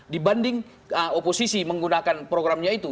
dibanding oposisi menggunakan programnya itu